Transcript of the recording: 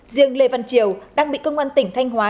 riêng lê văn triều đang bị công an tỉnh thanh hóa